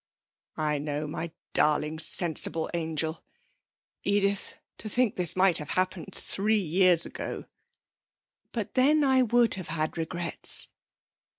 'I know, my darling sensible angel!... Edith, to think this might have happened three years ago!' 'But then I would have had regrets.'